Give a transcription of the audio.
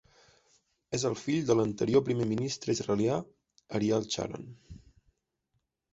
És el fill de l'anterior primer ministre israelià Ariel Sharon.